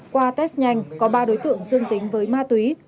qua test nhanh có ba đối tượng dương tính với ma túy